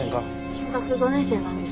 小学５年生なんですけど。